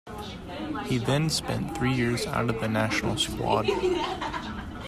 He then spent three years out of the national squad.